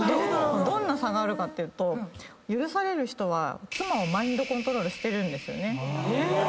どんな差があるかっていうと許される人は妻をマインドコントロールしてるんですよね。